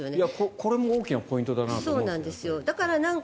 これも大きなポイントだなと思いますね。